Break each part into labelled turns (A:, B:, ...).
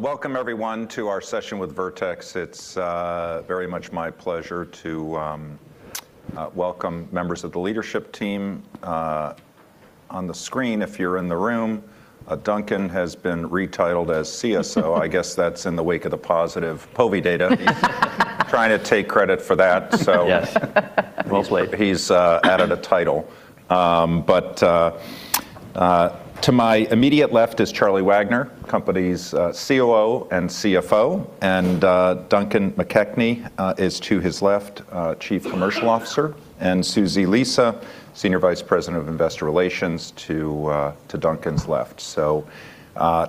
A: Welcome everyone to our session with Vertex. It's very much my pleasure to welcome members of the leadership team on the screen if you're in the room. Duncan has been retitled as CSO. I guess that's in the wake of the positive POVI data. He's trying to take credit for that.
B: Yes. Well played.
A: He's added a title. To my immediate left is Charlie Wagner, company's COO and CFO, and Duncan McKechnie is to his left, Chief Commercial Officer, and Susie Lisa, Senior Vice President of Investor Relations to Duncan's left.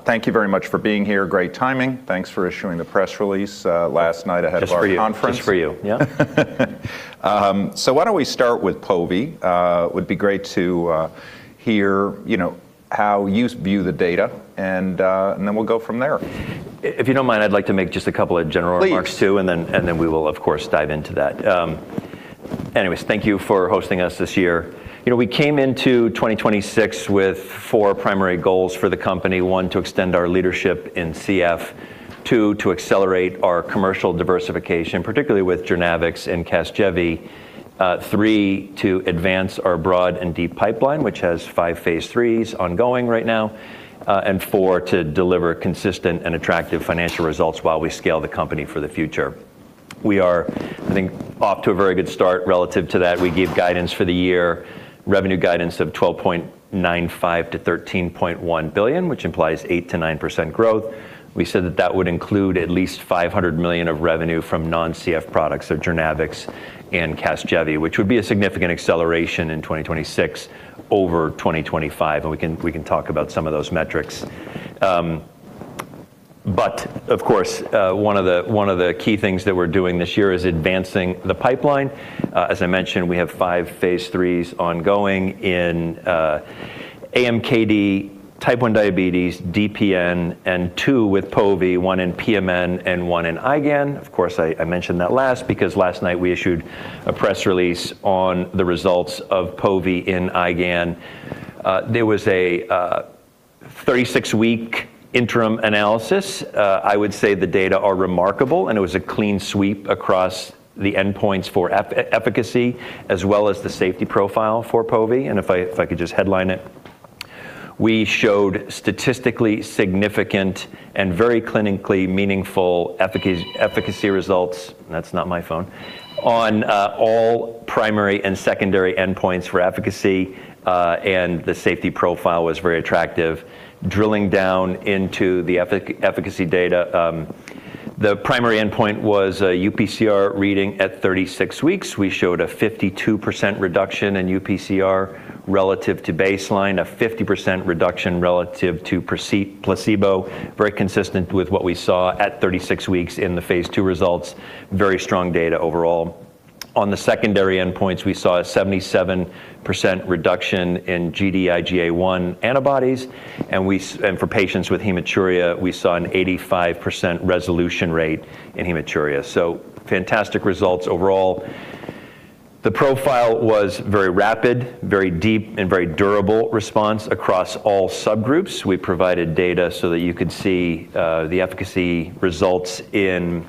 A: Thank you very much for being here. Great timing. Thanks for issuing the press release last night ahead of our conference.
B: Just for you. Yeah.
A: Why don't we start with POVI. Would be great to hear, you know, how you view the data and then we'll go from there.
B: If you don't mind, I'd like to make just a couple of general remarks too.
A: Please
B: We will of course dive into that. Anyways, thank you for hosting us this year. You know, we came into 2026 with four primary goals for the company. One, to extend our leadership in CF. Two, to accelerate our commercial diversification, particularly with JOURNAVX and CASGEVY. Three, to advance our broad and deep pipeline, which has five Phase 3s ongoing right now. And four, to deliver consistent and attractive financial results while we scale the company for the future. We are, I think, off to a very good start relative to that. We gave guidance for the year, revenue guidance of $12.95 billion-$13.1 billion, which implies 8%-9% growth. We said that would include at least $500 million of revenue from non-CF products, so JOURNAVX and CASGEVY, which would be a significant acceleration in 2026 over 2025, and we can talk about some of those metrics. Of course, one of the key things that we're doing this year is advancing the pipeline. As I mentioned, we have five Phase 3s ongoing in AMKD, type 1 diabetes, DPN, and two with POVI, one in PMN and one in IgAN. Of course, I mentioned that last because last night we issued a press release on the results of POVI in IgAN. There was a 36-week interim analysis. I would say the data are remarkable, and it was a clean sweep across the endpoints for efficacy, as well as the safety profile for POVI. If I could just headline it, we showed statistically significant and very clinically meaningful efficacy results, that's not my phone, on all primary and secondary endpoints for efficacy. The safety profile was very attractive. Drilling down into the efficacy data, the primary endpoint was a UPCR reading at 36 weeks. We showed a 52% reduction in UPCR relative to baseline, a 50% reduction relative to placebo, very consistent with what we saw at 36 weeks in the Phase 2 results. Very strong data overall. On the secondary endpoints, we saw a 77% reduction in Gd-IgA1 antibodies, and for patients with hematuria, we saw an 85% resolution rate in hematuria. Fantastic results overall. The profile was very rapid, very deep, and very durable response across all subgroups. We provided data so that you could see the efficacy results in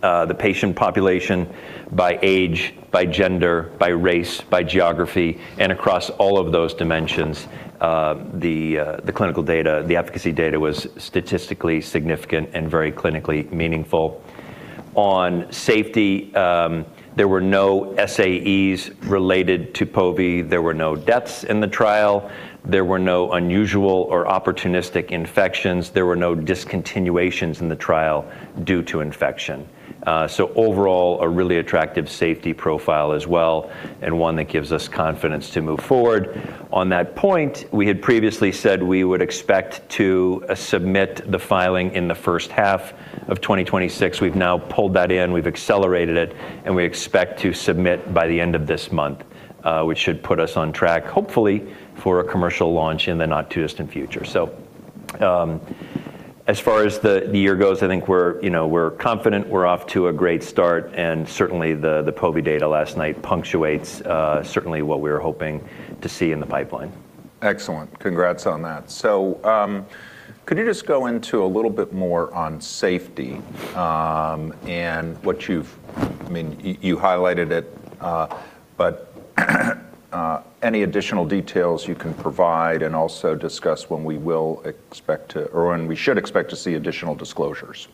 B: the patient population by age, by gender, by race, by geography, and across all of those dimensions, the clinical data, the efficacy data was statistically significant and very clinically meaningful. On safety, there were no SAEs related to POVI. There were no deaths in the trial. There were no unusual or opportunistic infections. There were no discontinuations in the trial due to infection. Overall, a really attractive safety profile as well, and one that gives us confidence to move forward. On that point, we had previously said we would expect to submit the filing in the first half of 2026. We've now pulled that in. We've accelerated it, and we expect to submit by the end of this month, which should put us on track, hopefully, for a commercial launch in the not-too-distant future. As far as the year goes, I think we're, you know, we're confident we're off to a great start, and certainly, the POVI data last night punctuates certainly what we're hoping to see in the pipeline.
A: Excellent. Congrats on that. Could you just go into a little bit more on safety, and you highlighted it, but any additional details you can provide and also discuss when we will expect to, or when we should expect to see additional disclosures?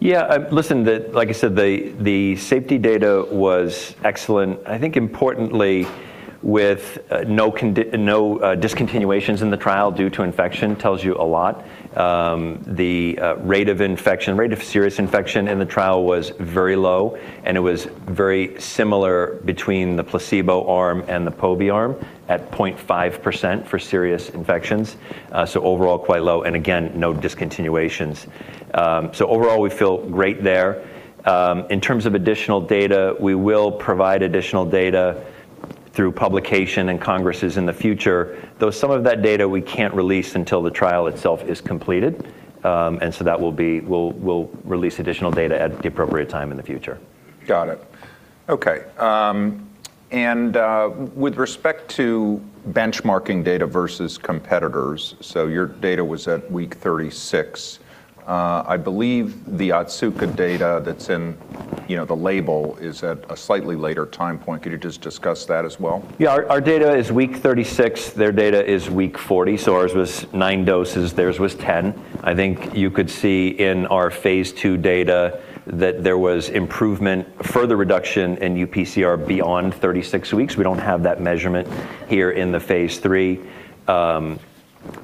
B: Yeah. Listen, like you said, the safety data was excellent. I think importantly with no discontinuations in the trial due to infection tells you a lot. The rate of serious infection in the trial was very low, and it was very similar between the placebo arm and the POVI arm at 0.5% for serious infections, so overall quite low, and again, no discontinuations. Overall we feel great there. In terms of additional data, we will provide additional data through publication and congresses in the future, though some of that data we can't release until the trial itself is completed. That will be, we'll release additional data at the appropriate time in the future.
A: Got it. Okay. With respect to benchmarking data versus competitors, your data was at week 36. I believe the ATSUCA data that's in the label is at a slightly later time point. Could you just discuss that as well?
B: Yeah. Our data is week 36. Their data is week 40. Ours was 9 doses, theirs was 10. I think you could see in our Phase 2 data that there was improvement, further reduction in UPCR beyond 36 weeks. We don't have that measurement here in the Phase 3.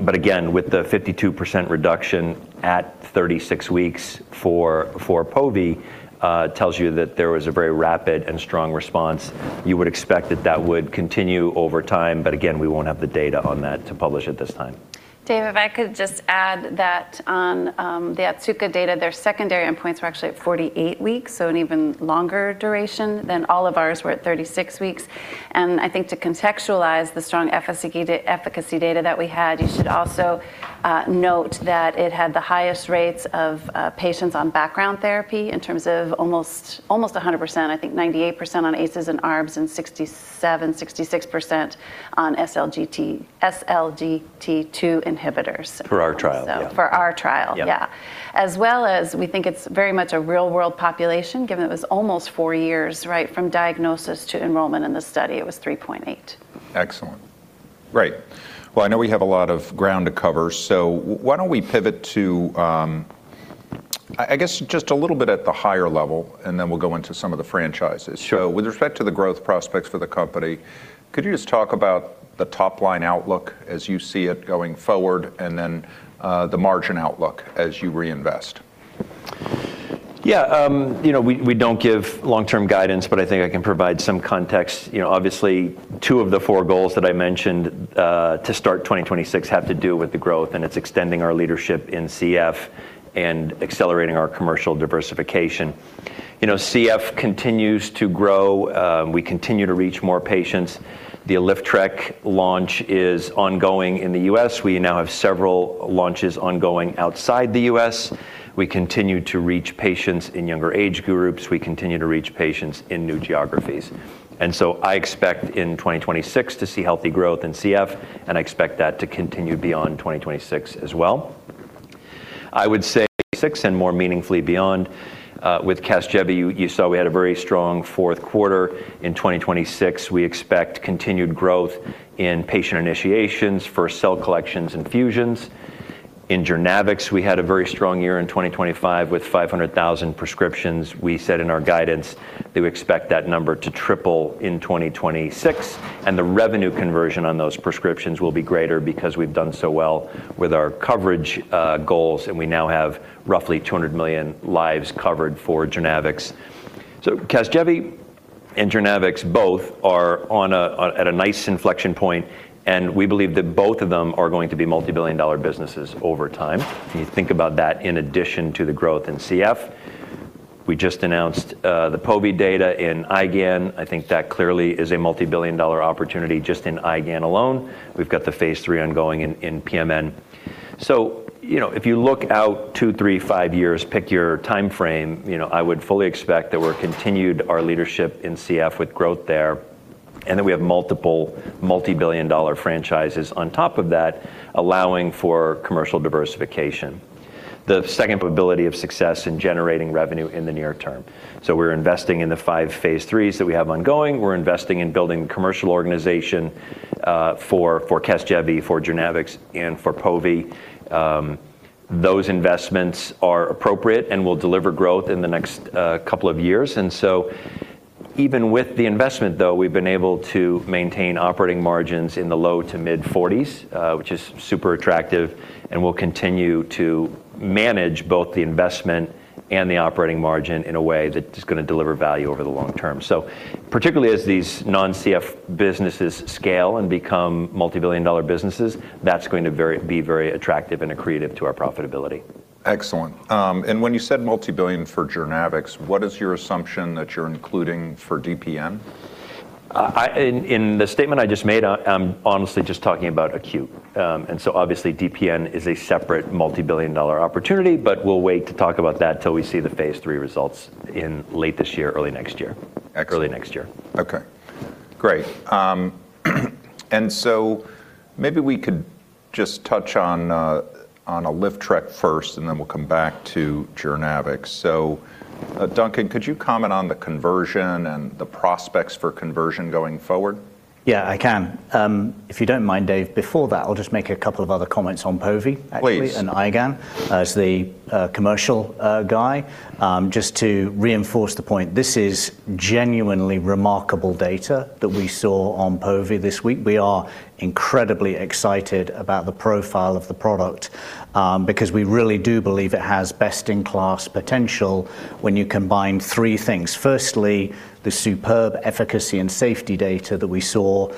B: But again, with the 52% reduction at 36 weeks for POVI tells you that there was a very rapid and strong response. You would expect that would continue over time, but again, we won't have the data on that to publish at this time.
C: Dave, if I could just add that on, the ATSUCA data, their secondary endpoints were actually at 48 weeks, so an even longer duration than all of ours were at 36 weeks. I think to contextualize the strong efficacy data that we had, you should also note that it had the highest rates of patients on background therapy in terms of almost 100%, I think 98% on ACEs and ARBs and 67, 66% on SGLT2 inhibitors.
B: For our trial, yeah.
C: For our trial, yeah.
B: Yeah.
C: As well as we think it's very much a real world population, given it was almost four years right from diagnosis to enrollment in the study. It was 3.8.
A: Excellent. Great. Well, I know we have a lot of ground to cover, so why don't we pivot to, I guess just a little bit at the higher level, and then we'll go into some of the franchises. With respect to the growth prospects for the company, could you just talk about the top-line outlook as you see it going forward, and then, the margin outlook as you reinvest?
B: Yeah. You know, we don't give long-term guidance, but I think I can provide some context. You know, obviously, two of the four goals that I mentioned to start 2026 have to do with the growth, and it's extending our leadership in CF and accelerating our commercial diversification. You know, CF continues to grow. We continue to reach more patients. The ALYFTREK launch is ongoing in the U.S. We now have several launches ongoing outside the U.S. We continue to reach patients in younger age groups. We continue to reach patients in new geographies. I expect in 2026 to see healthy growth in CF, and I expect that to continue beyond 2026 as well. I would say 2026 and more meaningfully beyond. With CASGEVY, you saw we had a very strong fourth quarter. In 2026, we expect continued growth in patient initiations for cell collections infusions. In JOURNAVX, we had a very strong year in 2025 with 500,000 prescriptions. We said in our guidance that we expect that number to triple in 2026, and the revenue conversion on those prescriptions will be greater because we've done so well with our coverage goals, and we now have roughly 200 million lives covered for JOURNAVX. CASGEVY and JOURNAVX both are at a nice inflection point, and we believe that both of them are going to be multibillion-dollar businesses over time. If you think about that in addition to the growth in CF, we just announced the POVI data in IgAN. I think that clearly is a multibillion-dollar opportunity just in IgAN alone. We've got the Phase 3 ongoing in PMN. You know, if you look out two, three, five years, pick your timeframe, you know, I would fully expect that we continue our leadership in CF with growth there, and that we have multiple multibillion-dollar franchises on top of that, allowing for commercial diversification. The second is the ability to generate revenue in the near term. We're investing in the five Phase 3s that we have ongoing. We're investing in building commercial organization for CASGEVY, for JOURNAVX, and for POVI. Those investments are appropriate and will deliver growth in the next couple of years. Even with the investment, though, we've been able to maintain operating margins in the low-to-mid 40s%, which is super attractive and will continue to manage both the investment and the operating margin in a way that is gonna deliver value over the long term. Particularly as these non-CF businesses scale and become multibillion-dollar businesses, that's going to be very attractive and accretive to our profitability.
A: Excellent. When you said multibillion for JOURNAVX, what is your assumption that you're including for DPN?
B: In the statement I just made, I'm honestly just talking about acute. Obviously, DPN is a separate multibillion-dollar opportunity, but we'll wait to talk about that till we see the Phase 3 results in late this year, early next year.
A: Excellent.
B: Early next year.
A: Okay. Great. Maybe we could just touch on ALYFTREK first, and then we'll come back to JOURNAVX. Duncan, could you comment on the conversion and the prospects for conversion going forward?
D: Yeah, I can. If you don't mind, Dave, before that, I'll just make a couple of other comments on POVI, actually.
A: Please
D: IgAN as the commercial guy, just to reinforce the point. This is genuinely remarkable data that we saw on POVI this week. We are incredibly excited about the profile of the product, because we really do believe it has best-in-class potential. When you combine three things firstly, the superb efficacy and safety data that we saw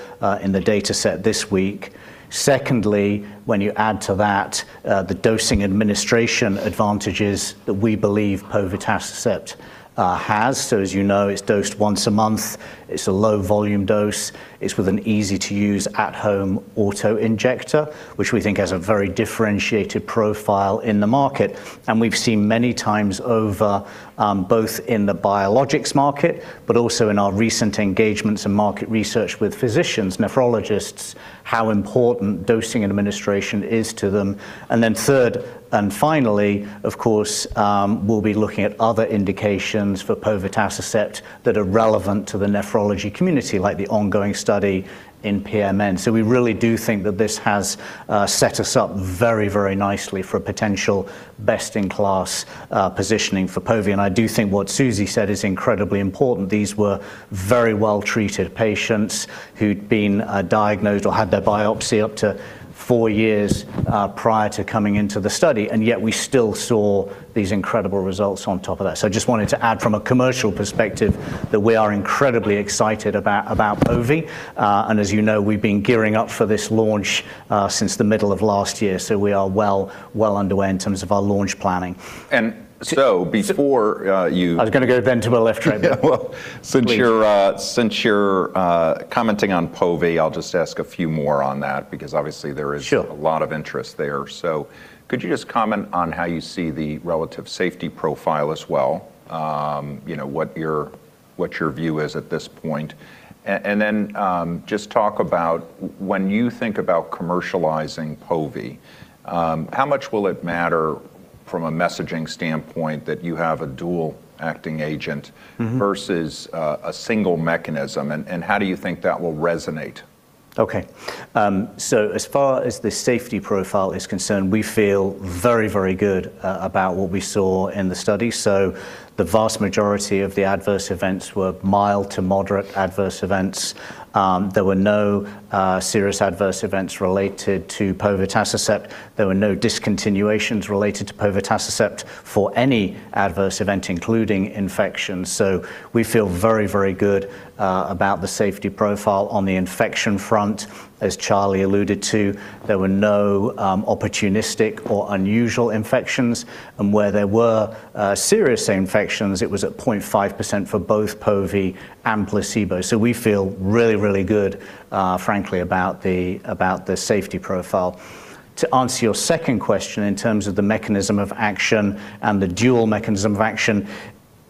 D: in the data set this week. Secondly, when you add to that, the dosing administration advantages that we believe povetacicept has. So as you know, it's dosed once a month, it's a low volume dose, it's with an easy-to-use at-home auto-injector, which we think has a very differentiated profile in the market. And we've seen many times over, both in the biologics market, but also in our recent engagements and market research with physicians, nephrologists, how important dosing administration is to them. Third, and finally, of course, we'll be looking at other indications for povetacicept that are relevant to the nephrology community, like the ongoing study in PMN. We really do think that this has set us up very, very nicely for a potential best-in-class positioning for POVI. I do think what Susie said is incredibly important. These were very well-treated patients who'd been diagnosed or had their biopsy up to four years prior to coming into the study, and yet we still saw these incredible results on top of that. Just wanted to add from a commercial perspective that we are incredibly excited about POVI. As you know, we've been gearing up for this launch since the middle of last year, so we are well, well underway in terms of our launch planning.
A: Before
D: I was gonna go then to my left, Trevor.
A: Well, since you're commenting on POVI, I'll just ask a few more on that because obviously there is –
D: Sure
A: A lot of interest there. Could you just comment on how you see the relative safety profile as well? you know, what your view is at this point? Just talk about when you think about commercializing POVI, how much will it matter from a messaging standpoint that you have a dual acting agent.
D: Mm-hmm
A: Versus a single mechanism? How do you think that will resonate?
D: Okay. As far as the safety profile is concerned, we feel very, very good about what we saw in the study. The vast majority of the adverse events were mild to moderate adverse events. There were no serious adverse events related to povetacicept. There were no discontinuations related to povetacicept for any adverse event, including infections. We feel very, very good about the safety profile. On the infection front, as Charlie alluded to, there were no opportunistic or unusual infections, and where there were serious infections, it was at 0.5% for both POVI and placebo. We feel really, really good, frankly, about the safety profile. To answer your second question, in terms of the mechanism of action and the dual mechanism of action,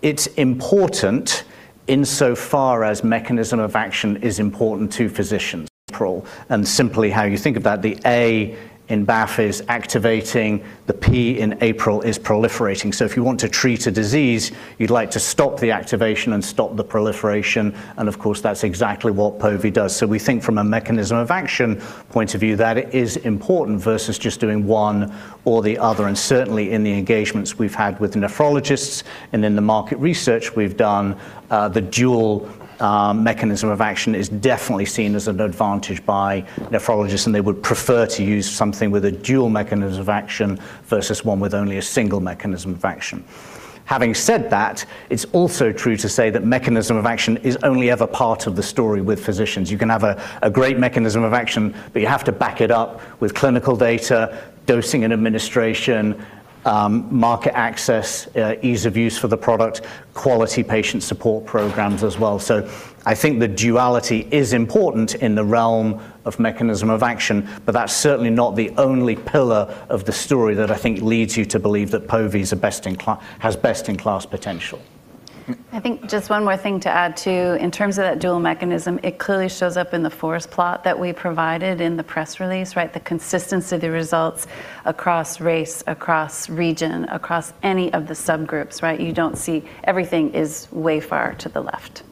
D: it's important insofar as mechanism of action is important to physicians. APRIL, and simply how you think about the A in BAFF is activating, the P in APRIL is proliferating. If you want to treat a disease, you'd like to stop the activation and stop the proliferation, and of course, that's exactly what POVI does. We think from a mechanism of action point of view, that is important versus just doing one or the other. Certainly, in the engagements we've had with nephrologists and in the market research we've done, the dual mechanism of action is definitely seen as an advantage by nephrologists, and they would prefer to use something with a dual mechanism of action versus one with only a single mechanism of action. Having said that, it's also true to say that mechanism of action is only ever part of the story with physicians. You can have a great mechanism of action, but you have to back it up with clinical data, dosing and administration, market access, ease of use for the product, quality patient support programs as well. I think the duality is important in the realm of mechanism of action, but that's certainly not the only pillar of the story that I think leads you to believe that POVI has best-in-class potential.
C: I think just one more thing to add too, in terms of that dual mechanism. It clearly shows up in the forest plot that we provided in the press release, right? The consistency of the results across race, across region, across any of the subgroups, right? You don't see. Everything is way far to the left.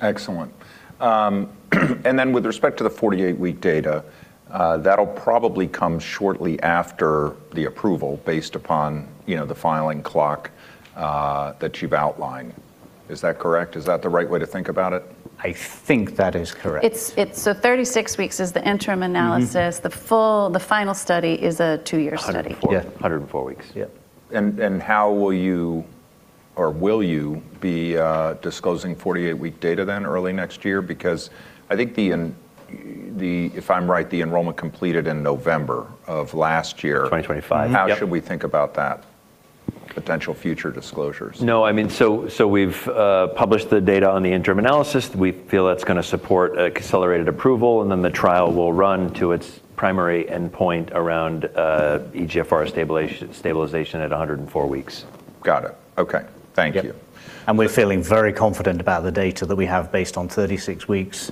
A: Excellent. With respect to the 48-week data, that'll probably come shortly after the approval based upon, you know, the filing clock that you've outlined. Is that correct? Is that the right way to think about it?
D: I think that is correct.
C: 36 weeks is the interim analysis.
D: Mm-hmm.
C: The final study is a two-year study.
B: 104.
A: Yeah.
B: 104 weeks. Yeah.
A: How will you or will you be disclosing 48-week data then early next year? Because I think the, if I'm right, the enrollment completed in November of last year.
B: 2025.
A: How should we think about that potential future disclosures?
B: No, I mean, so we've published the data on the interim analysis. We feel that's gonna support a accelerated approval, then the trial will run to its primary endpoint around eGFR stabilization at 104 weeks.
A: Got it. Okay. Thank you.
D: Yep. We're feeling very confident about the data that we have based on 36 weeks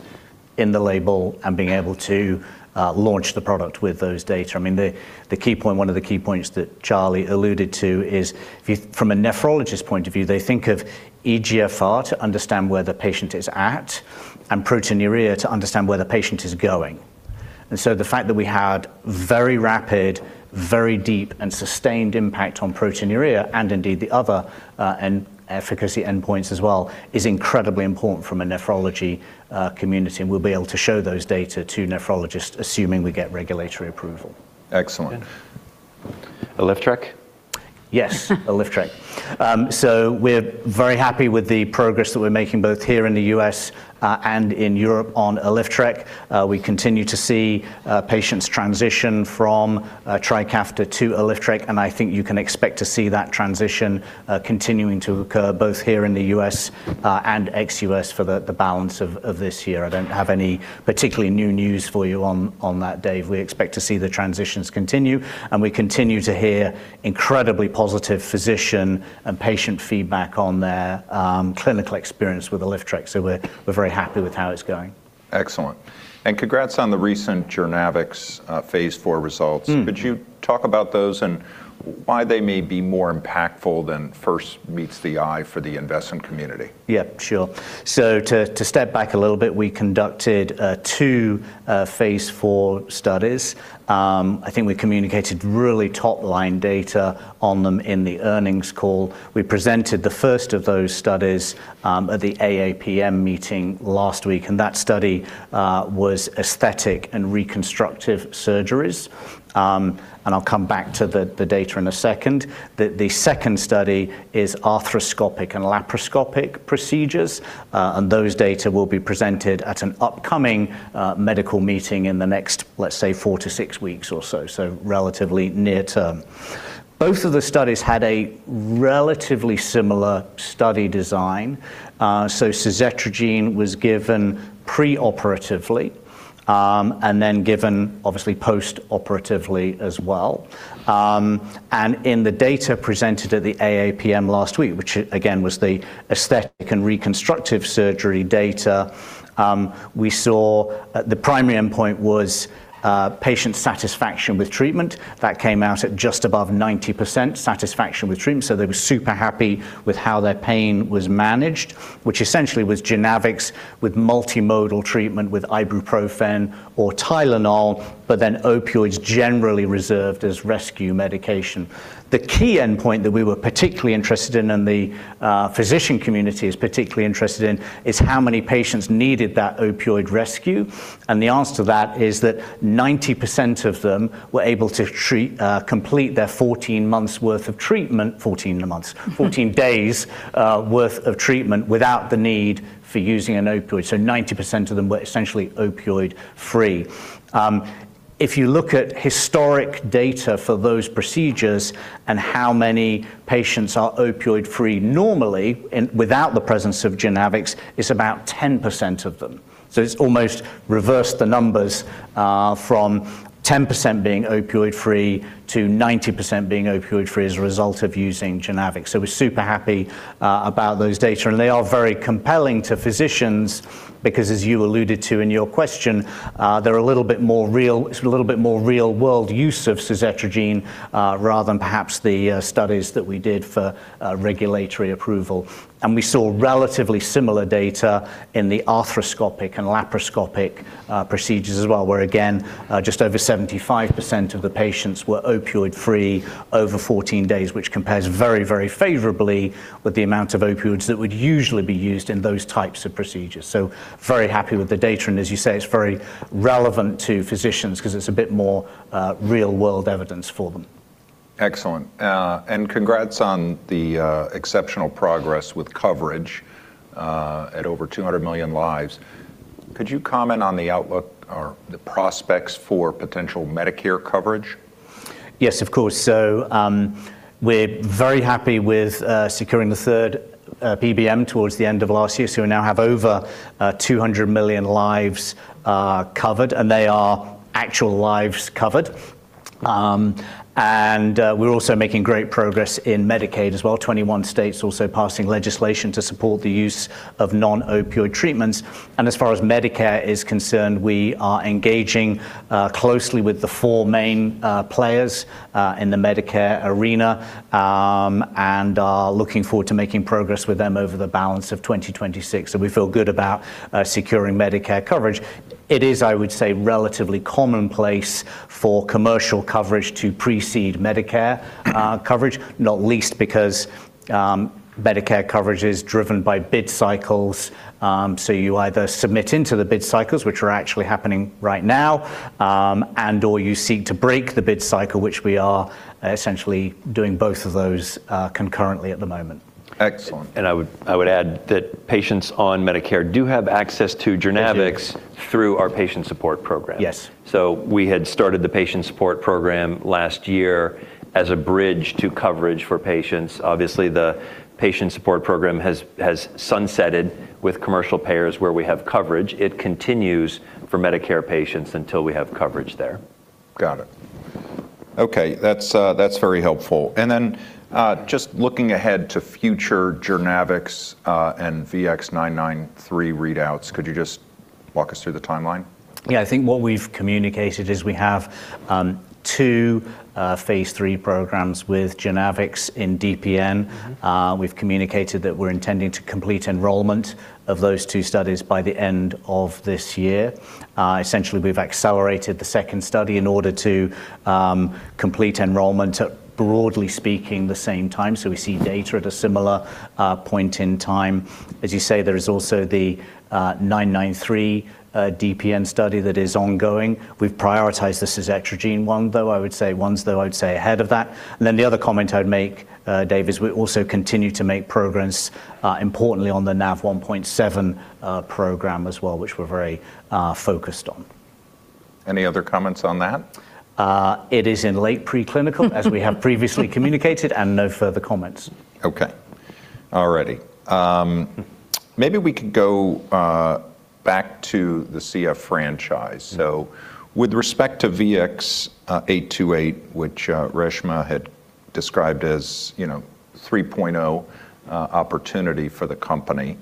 D: in the label and being able to launch the product with those data. I mean, the key point, one of the key points that Charlie alluded to is from a nephrologist point of view, they think of eGFR to understand where the patient is at, and proteinuria to understand where the patient is going. The fact that we had very rapid, very deep and sustained impact on proteinuria and indeed the other and efficacy endpoints as well, is incredibly important from a nephrology community, and we'll be able to show those data to nephrologists assuming we get regulatory approval.
A: Excellent. ALYFTREK?
D: Yes. ALYFTREK. We're very happy with the progress that we're making both here in the US and in Europe on ALYFTREK. We continue to see patients transition from TRIKAFTA to ALYFTREK, and I think you can expect to see that transition continuing to occur both here in the US and ex-US for the balance of this year. I don't have any particularly new news for you on that, Dave. We expect to see the transitions continue, and we continue to hear incredibly positive physician and patient feedback on their clinical experience with ALYFTREK. We're very happy with how it's going.
A: Excellent. Congrats on the recent JOURNAVX, Phase 4 results.
D: Mm.
A: Could you talk about those and why they may be more impactful than first meets the eye for the investment community?
D: Yeah, sure. To step back a little bit, we conducted two Phase 4 studies. I think we communicated really top-line data on them in the earnings call. We presented the first of those studies at the AAPM meeting last week, and that study was aesthetic and reconstructive surgeries. I'll come back to the data in a second. The second study is arthroscopic and laparoscopic procedures, and those data will be presented at an upcoming medical meeting in the next, let's say, 4-6 weeks or so relatively near term. Both of the studies had a relatively similar study design. Suzetrigine was given pre-operatively, and then given obviously post-operatively as well. In the data presented at the AAPM last week, which again was the aesthetic and reconstructive surgery data, we saw the primary endpoint was patient satisfaction with treatment. That came out at just above 90% satisfaction with treatment, so they were super happy with how their pain was managed, which essentially was JOURNAVX with multimodal treatment with ibuprofen or Tylenol, but then opioids generally reserved as rescue medication. The key endpoint that we were particularly interested in and the physician community is particularly interested in is how many patients needed that opioid rescue, and the answer to that is that 90% of them were able to complete their 14 months' worth of treatment. 14 months. 14 days worth of treatment without the need for using an opioid, so 90% of them were essentially opioid-free. If you look at historic data for those procedures and how many patients are opioid-free normally and without the presence of JOURNAVX, it's about 10% of them. It's almost reversed the numbers from 10% being opioid-free to 90% being opioid-free as a result of using JOURNAVX. We're super happy about those data, and they are very compelling to physicians because as you alluded to in your question, they're a little bit more real. It's a little bit more real-world use of suzetrigine rather than perhaps the studies that we did for regulatory approval. We saw relatively similar data in the arthroscopic and laparoscopic procedures as well, where again, just over 75% of the patients were opioid-free over 14 days, which compares very, very favorably with the amount of opioids that would usually be used in those types of procedures. Very happy with the data, and as you say, it's very relevant to physicians 'cause it's a bit more real-world evidence for them.
A: Excellent. Congrats on the exceptional progress with coverage at over 200 million lives. Could you comment on the outlook or the prospects for potential Medicare coverage?
D: Yes, of course. We're very happy with securing the third PBM towards the end of last year. We now have over 200 million lives covered, and they are actual lives covered. We're also making great progress in Medicaid as well. 21 states also passing legislation to support the use of non-opioid treatments. As far as Medicare is concerned, we are engaging closely with the four main players in the Medicare arena, and are looking forward to making progress with them over the balance of 2026. We feel good about securing Medicare coverage. It is, I would say, relatively commonplace for commercial coverage to precede Medicare coverage, not least because Medicare coverage is driven by bid cycles. You either submit into the bid cycles, which are actually happening right now, and/or you seek to break the bid cycle, which we are essentially doing both of those, concurrently at the moment.
A: Excellent.
B: I would add that patients on Medicare do have access to JOURNAVX through our patient support program.
D: Yes.
B: We had started the patient support program last year as a bridge to coverage for patients. Obviously, the patient support program has sunsetted with commercial payers where we have coverage. It continues for Medicare patients until we have coverage there.
A: Got it. Okay. That's very helpful. Then, just looking ahead to future JOURNAVX and VX-993 readouts, could you just walk us through the timeline?
D: I think what we've communicated is we have two Phase 3 programs with JOURNAVX in DPN. We've communicated that we're intending to complete enrollment of those two studies by the end of this year. Essentially, we've accelerated the second study in order to complete enrollment at, broadly speaking, the same time, so we see data at a similar point in time. As you say, there is also the 993 DPN study that is ongoing. We've prioritized the suzetrigine one, though I'd say ahead of that. The other comment I'd make, Dave, is we also continue to make progress, importantly on the NaV1.7 program as well, which we're very focused on.
A: Any other comments on that?
D: It is in late pre-clinical, as we have previously communicated, and no further comments.
A: Okay. All righty. Maybe we could go back to the CF franchise. With respect to VX-828, which Reshma had described as, you know, 3.0 opportunity for the company,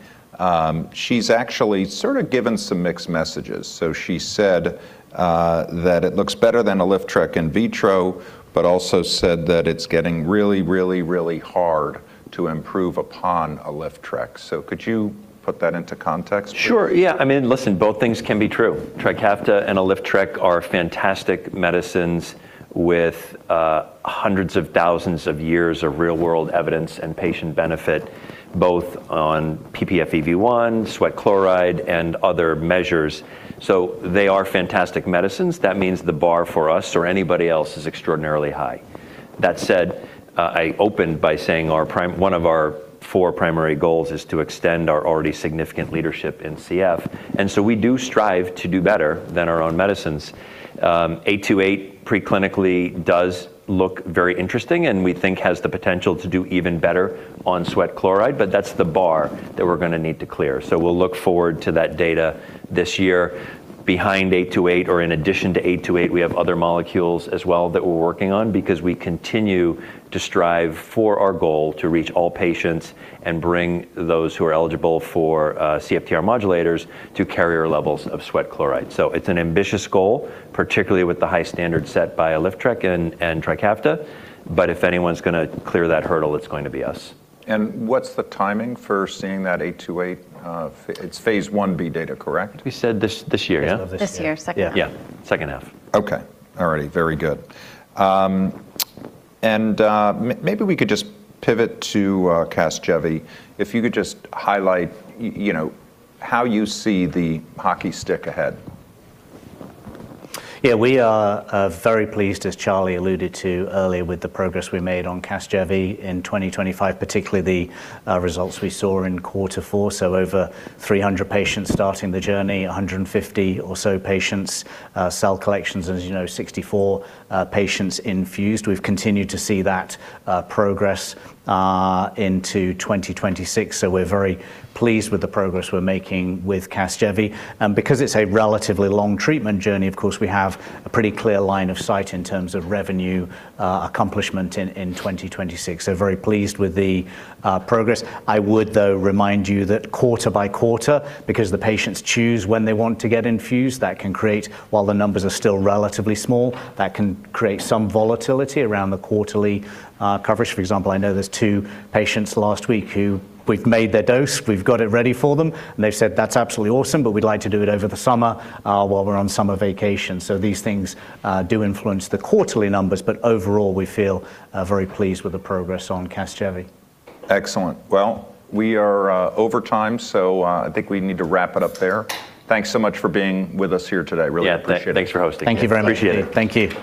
A: she's actually sort of given some mixed messages. She said that it looks better than ALYFTREK in vitro, but also said that it's getting really hard to improve upon ALYFTREK. Could you put that into context, please?
B: Sure, yeah. I mean, listen, both things can be true. TRIKAFTA and ALYFTREK are fantastic medicines with hundreds of thousands of years of real-world evidence and patient benefit, both on ppFEV1, sweat chloride, and other measures. They are fantastic medicines. That means the bar for us or anybody else is extraordinarily high. That said, I opened by saying our one of our four primary goals is to extend our already significant leadership in CF. We do strive to do better than our own medicines. 828 pre-clinically does look very interesting, and we think has the potential to do even better on sweat chloride, but that's the bar that we're gonna need to clear. We'll look forward to that data this year. Behind 828 or in addition to 828, we have other molecules as well that we're working on because we continue to strive for our goal to reach all patients and bring those who are eligible for CFTR modulators to carrier levels of sweat chloride. It's an ambitious goal, particularly with the high standard set by ALYFTREK and TRIKAFTA, but if anyone's gonna clear that hurdle, it's going to be us.
A: What's the timing for seeing that 828, it's Phase 1b data, correct?
B: We said this year, yeah?
C: This year.
B: Yeah, second half.
A: Okay. All righty. Very good. Maybe we could just pivot to CASGEVY. If you could just highlight, you know, how you see the hockey stick ahead.
D: Yeah, we are very pleased, as Charlie alluded to earlier, with the progress we made on CASGEVY in 2025, particularly the results we saw in quarter four, so over 300 patients starting the journey, 150 or so patients cell collections, as you know, 64 patients infused. We've continued to see that progress into 2026, so we're very pleased with the progress we're making with CASGEVY. Because it's a relatively long treatment journey, of course, we have a pretty clear line of sight in terms of revenue accomplishment in 2026. Very pleased with the progress. I would, though, remind you that quarter by quarter, because the patients choose when they want to get infused, while the numbers are still relatively small, that can create some volatility around the quarterly, coverage. For example, I know there's two patients last week who we've made their dose, we've got it ready for them, and they've said, "That's absolutely awesome, but we'd like to do it over the summer, while we're on summer vacation." These things do influence the quarterly numbers, but overall, we feel very pleased with the progress on CASGEVY.
A: Excellent. Well, we are over time, so I think we need to wrap it up there. Thanks so much for being with us here today. Really appreciate it.
B: Yeah. Thanks for hosting.
D: Thank you very much.
B: Appreciate it.
D: Thank you.